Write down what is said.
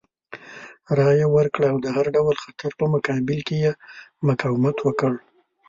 رایه یې ورکړه او د هر ډول خطر په مقابل کې یې مقاومت وکړ.